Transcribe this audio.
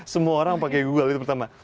semua orang pakai google itu pertama